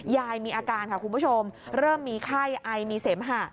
มีอาการค่ะคุณผู้ชมเริ่มมีไข้ไอมีเสมหะ